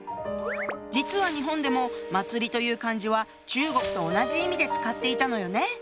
実は日本でも「祭」という漢字は中国と同じ意味で使っていたのよね